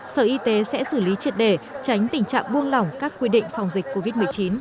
sở y tế sẽ xử lý triệt đề tránh tình trạng buông lỏng các quy định phòng dịch covid một mươi chín